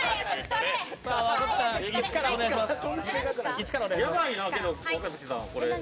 若槻さん、１からお願いします。